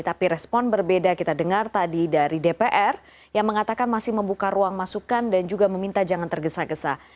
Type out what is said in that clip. tapi respon berbeda kita dengar tadi dari dpr yang mengatakan masih membuka ruang masukan dan juga meminta jangan tergesa gesa